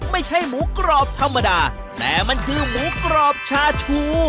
ไม่ใช่หมูกรอบธรรมดาแต่มันคือหมูกรอบชาชู